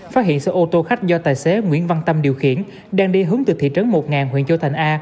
phát hiện xe ô tô khách do tài xế nguyễn văn tâm điều khiển đang đi hướng từ thị trấn một huyện châu thành a